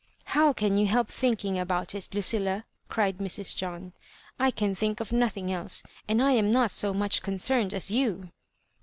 " How can you help thmking about it, Lucilla ?" cried Mrs. John. ^ I can think of nothing else ; and I am not so much ooncerned as you."